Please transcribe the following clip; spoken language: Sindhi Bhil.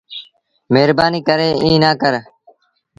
مهربآݩيٚ ڪري ايٚݩ نا ڪر